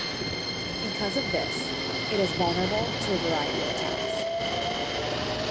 Because of this, it is vulnerable to a variety of attacks.